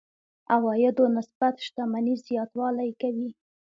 عوایدو نسبت شتمنۍ زياتوالی کوي.